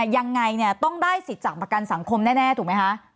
ยังไงต้องได้สิทธิ์จากประกันสังคมแน่ถูกไหมคะ